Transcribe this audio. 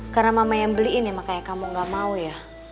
karena mama yang beliin ya makanya kamu gak mau ya